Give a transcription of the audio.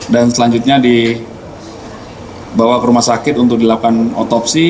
dan selanjutnya dibawa ke rumah sakit untuk dilakukan otopsi